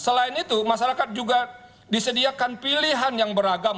selain itu masyarakat juga disediakan pilihan yang beragam